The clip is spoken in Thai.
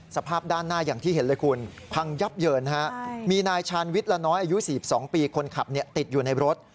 สภาพด้านหน้าอย่างที่เห็นเลยคุณพังยับเยินมีนายชาญวิทย์ละน้อยอายุ๔๒ปีคนขับติดอยู่ในรถ